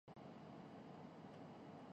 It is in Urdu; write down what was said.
قرار دے میںسوچتاہوں کہ ہماری ریاست